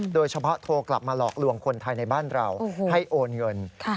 โดยเฉพาะโทรกลับมาหลอกลวงคนไทยในบ้านเราให้โอนเงิน